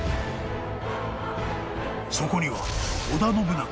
［そこには織田信長